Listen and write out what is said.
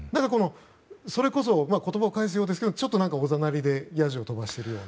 それこそ、言葉を返すようですがちょっとおざなりでやじを飛ばしているような。